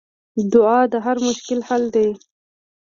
دعا د هر مشکل حل دی.